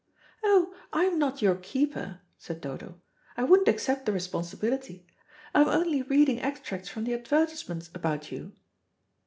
"Oh, I'm not your keeper," said Dodo. "I wouldn't accept the responsibility. I'm only reading extracts from the advertisement about you."